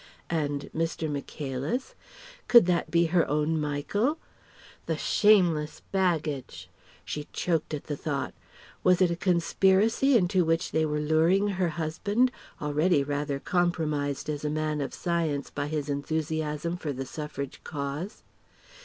And "Mr. Michaelis?" Could that be her own Michael? The shameless baggage! She choked at the thought. Was it a conspiracy into which they were luring her husband, already rather compromised as a man of science by his enthusiasm for the Suffrage cause?